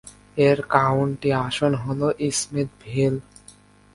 এর কাউন্টি আসন হল স্মিথভিল।